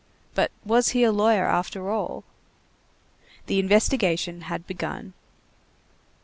But was he a lawyer after all? The investigation had begun.